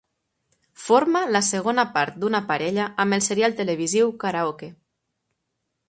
Forma la segona part d'una parella amb el serial televisiu "Karaoke".